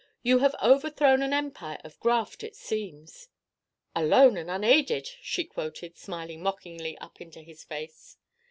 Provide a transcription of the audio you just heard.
You have overthrown an empire of graft, it seems." "Alone and unaided," she quoted, smiling mockingly up into his face.